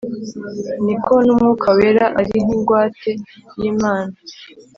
ni ko n'Umwuka Wera ari nk'ingwate y'Imana